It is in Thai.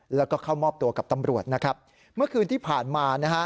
แล้วก็เข้ามอบตัวกับตำรวจนะครับเมื่อคืนที่ผ่านมานะฮะ